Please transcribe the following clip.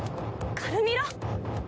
カルミラ！？